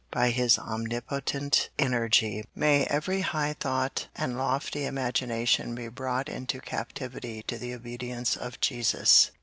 By His omnipotent energy may every high thought and lofty imagination be brought into captivity to the obedience of Jesus.